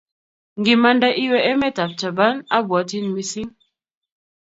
ngimande iwe emetab Japan abwotin missing